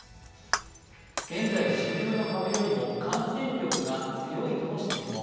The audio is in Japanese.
現在、主流の株よりも感染力が強いとの指摘も。